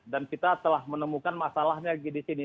dan kita telah menemukan masalahnya di sini